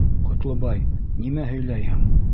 Ҡотлобай, нимә һөйләйһең?..